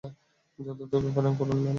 যতদ্রুত পারেন করুন, ম্যাম।